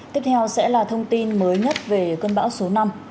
tiếp theo sẽ là thông tin mới nhất về cơn bão số năm